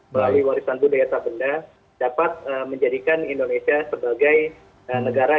melalui warisan budaya sabenda dapat menjadikan indonesia sebagai negara